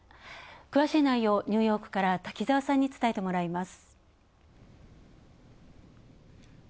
詳しい内容、ニューヨークから滝沢さんに伝えてもらいます。